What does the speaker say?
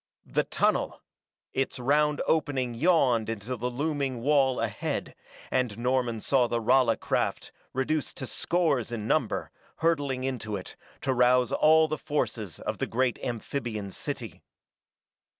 The tunnel! Its round opening yawned in the looming wall ahead, and Norman saw the Rala craft, reduced to scores in number, hurtling into it, to rouse all the forces of the great amphibian city.